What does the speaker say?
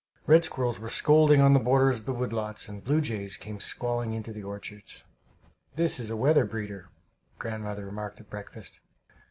Red squirrels were scolding on the borders of the wood lots, and blue jays came squalling into the orchards. "This is a weather breeder," grandmother remarked at breakfast.